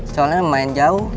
sejauh lain lumayan jauh